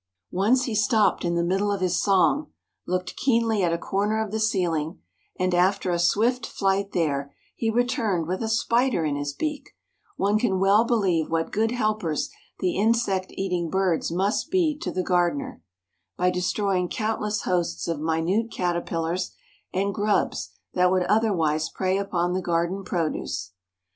Once he stopped in the middle of his song, looked keenly at a corner of the ceiling, and after a swift flight there, he returned with a spider in his beak; one can well believe what good helpers the insect eating birds must be to the gardener, by destroying countless hosts of minute caterpillars and grubs that would otherwise prey upon the garden produce.